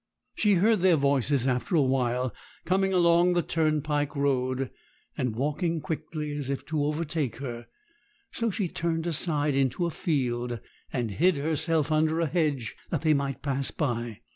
She heard their voices after a while coming along the turnpike road, and walking quickly as if to overtake her; so she turned aside into a field, and hid herself under a hedge that they might pass by.